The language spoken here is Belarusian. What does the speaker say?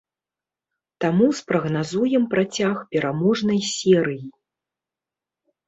Таму спрагназуем працяг пераможнай серыі.